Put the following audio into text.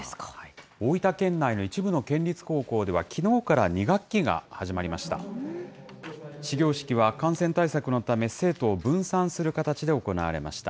大分県内の一部の県立高校ではきのうから２学期が始まりました。